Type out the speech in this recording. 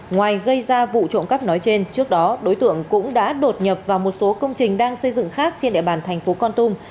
ngoài gây ra vụ trộm cắp nói trên trước đó đối tượng cũng đã đột nhập vào một số công trình đang xây dựng khác trên địa bàn thành phố con tum